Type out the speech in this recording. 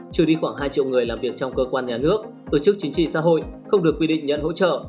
trừ đi khoảng hai triệu người làm việc trong cơ quan nhà nước tổ chức chính trị xã hội không được quy định nhận hỗ trợ